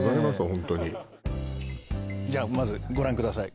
ホントにじゃあまずご覧ください